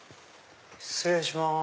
失礼します。